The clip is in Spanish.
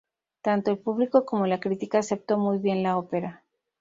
Tanto el público como la crítica aceptó muy bien la ópera.